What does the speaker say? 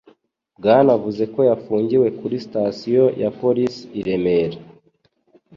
Bwanavuze ko yafungiwe kuri 'station' ya Polisi ya Remera